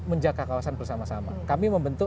menjaga kawasan bersama sama kami membentuk